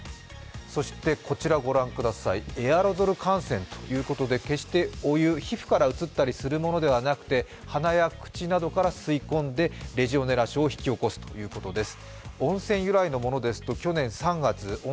そしてエアロゾル感染ということで、決してお湯、皮膚から感染するということではなくて鼻や口から吸い込んでレジオネラ症を引き起こすということです。